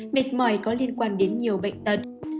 mệt mỏi có liên quan đến nhiều bệnh tật